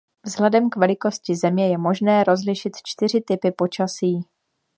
Vzhledem k velikosti země je možné rozlišit čtyři typy počasí.